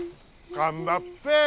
頑張っぺ！